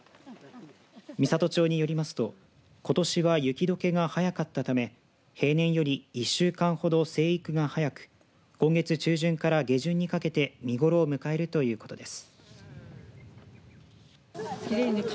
美郷町によりますとことしは雪どけが早かったため平年より１週間ほど生育が早く今月中旬から下旬にかけて見頃を迎えるということです。